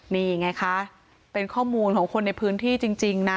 นี่ไงคะเป็นข้อมูลของคนในพื้นที่จริงนะ